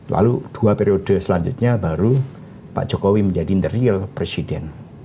lalu dua periode selanjutnya baru pak jokowi menjadi the real presiden